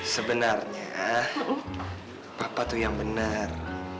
sebenarnya bapak tuh yang benar